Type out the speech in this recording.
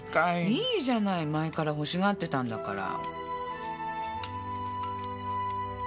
いいじゃない前から欲しがってたんだから。